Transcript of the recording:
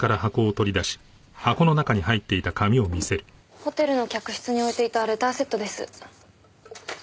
ホテルの客室に置いていたレターセットです。